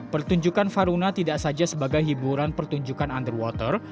pertunjukan faruna tidak saja sebagai hiburan pertunjukan underwater